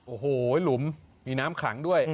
โอ้โหหลุมมีน้ำขังด้วย